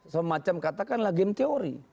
semacam katakanlah game teori